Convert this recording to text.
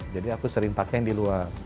jadi aku sering pakai yang di luar